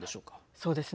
そうですね。